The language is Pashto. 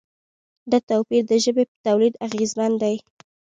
دا توپیر د ژبې په تولید اغېزمن دی.